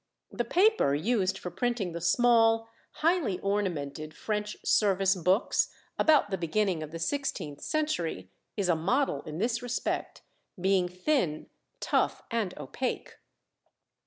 The paper used for printing the small highly ornamented French service books about the beginning of the sixteenth century is a model in this respect, being thin, tough, and opaque.